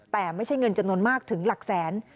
แต่ไม่ใช่เงินจำนวนมากถึงหลักแสน